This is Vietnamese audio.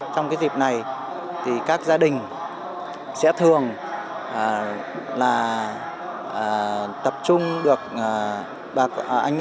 trong cái dịp này thì các gia đình sẽ thường là tập trung được anh em họ hàng vào một cái ngày nào đó mà đã định